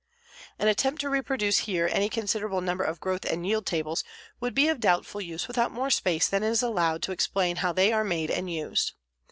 An attempt to reproduce here any considerable number of growth and yield tables would be of doubtful use without more space than is allowed to explain how they are made and used.